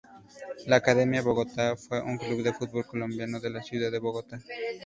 La Academia Bogotana fue un club de fútbol colombiano, de la ciudad de Bogotá.